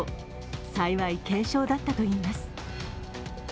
幸い軽傷だったといいます。